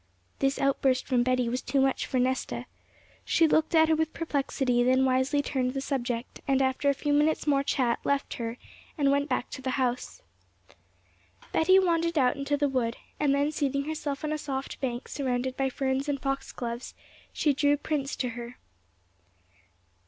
This outburst from Betty was too much for Nesta. She looked at her with perplexity, then wisely turned the subject, and after a few minutes' more chat left her, and went back to the house. Betty wandered out into the wood, and then seating herself on a soft bank surrounded by ferns and foxgloves, she drew Prince to her.